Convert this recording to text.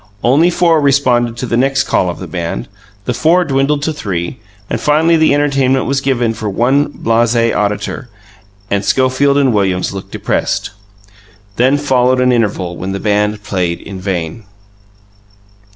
Only four responded to the next call of the band; the four dwindled to three; finally the entertainment was given for one blase auditor, and Schofield and Williams looked depressed. Then followed an interval when the band played in vain.